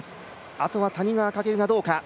あとは谷川翔がどうか。